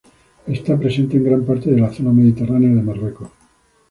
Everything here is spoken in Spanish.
Está presente en gran parte de la zona mediterránea de Marruecos.